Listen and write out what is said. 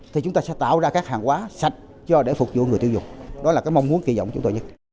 thì chúng ta sẽ tạo ra các hàng quá sạch để phục vụ người tiêu dùng đó là cái mong muốn kỳ vọng của chúng tôi nhất